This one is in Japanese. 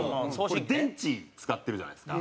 電池、使ってるじゃないですか。